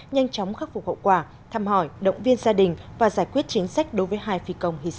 nhanh chóng khắc phục hậu quả thăm hỏi động viên gia đình và giải quyết chính sách đối với hai phi công hy sinh